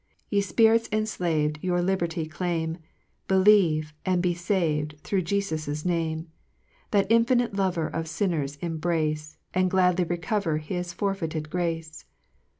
3 Ye fpirits enilav'd Your liberty claim, Believe, and be fav'd, Thro' Jei'us's Name ; That infinite Lover Of tinners embrace, And gladly recover His forfeited grace.